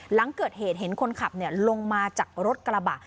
หลังเกิดเหตุเห็นคนขับลงมาจากรถกระบะ